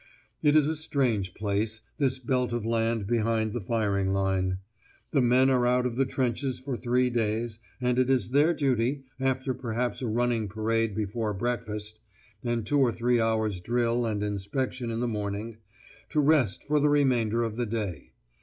It is a strange place, this belt of land behind the firing line. The men are out of the trenches for three days, and it is their duty, after perhaps a running parade before breakfast and two or three hours' drill and inspection in the morning, to rest for the remainder of the day.